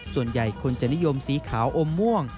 ส่วนใหญ่คนจะนิยมสีขาวอมม่วง